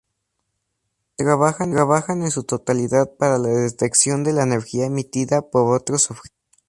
Trabajan en su totalidad para la detección de la energía emitida por otros objetos.